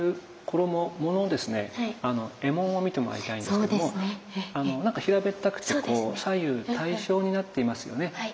衣紋を見てもらいたいんですけども何か平べったくてこう左右対称になっていますよね。